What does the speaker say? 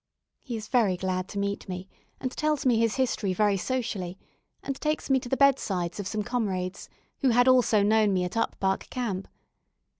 He is very glad to meet me, and tells me his history very socially, and takes me to the bedsides of some comrades, who had also known me at Up Park Camp.